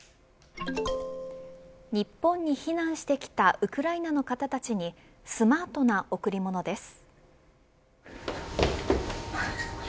日本に避難してきたウクライナの方たちにスマートな贈り物です。